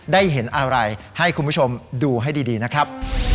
ได้เห็นอะไรให้คุณผู้ชมดูให้ดีนะครับ